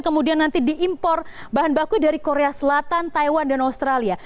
kemudian nanti diimpor bahan baku dari korea selatan taiwan dan australia